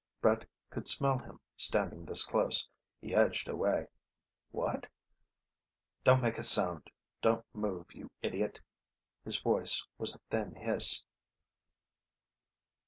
Brett could smell him, standing this close. He edged away. "What " "Don't make a sound! Don't move, you idiot!" His voice was a thin hiss.